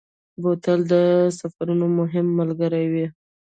بوتل د سفرونو مهم ملګری وي.